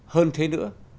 hơn thế nữa